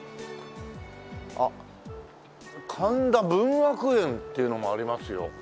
あっ神田文学園っていうのもありますよ。